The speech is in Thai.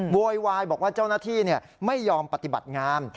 โวยวายบอกว่าเจ้าหน้าที่ไม่ยอมปฏิบัติงาม